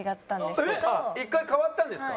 一回変わったんですか？